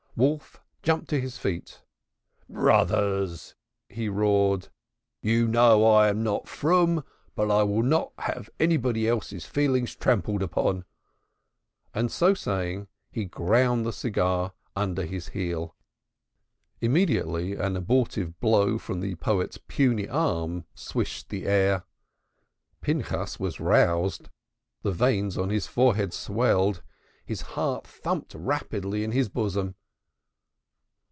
Wolf jumped to his feet. "Brothers," he roared, "you know I am not froom, but I will not have anybody else's feelings trampled upon." So saying, he ground the cigar under his heel. Immediately an abortive blow from the poet's puny arm swished the air. Pinchas was roused, the veins on his forehead swelled, his heart thumped rapidly in his bosom.